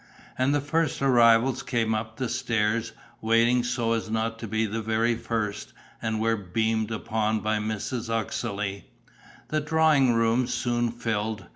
And the first arrivals came up the stairs, waiting so as not to be the very first, and were beamed upon by Mrs. Uxeley. The drawing rooms soon filled.